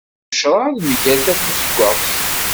Ilaq ucraḍ mgal tabuzeggaɣt.